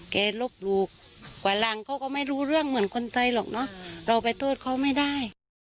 ลบหลู่กว่าหลังเขาก็ไม่รู้เรื่องเหมือนคนไทยหรอกเนอะเราไปโทษเขาไม่ได้